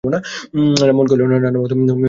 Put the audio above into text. রামমোহন কহিল, না মা, অত ব্যস্ত হইয়ো না।